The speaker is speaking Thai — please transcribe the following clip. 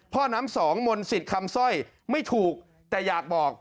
พ่อน้ำสองมนต์สิทธิ์คำสร้อยไม่ถูกแต่อยากบอก